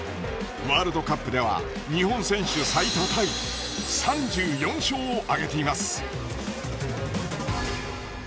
ワールドカップでは日本選手最多タイ３４勝を挙げています！